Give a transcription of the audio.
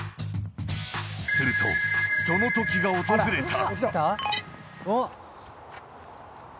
すると、その時が訪れた。